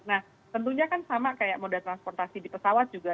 nah tentunya kan sama kayak moda transportasi di pesawat juga